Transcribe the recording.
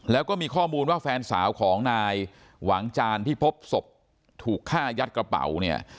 แล้วก็มีข้อมูลว่าแฟนสาวของนายหวังจานที่พบศพถูกฆ่ายัดกระเป๋าเนี่ย